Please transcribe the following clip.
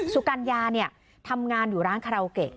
สุกัญญาเนี่ยทำงานอยู่ร้านคาราโอเกะ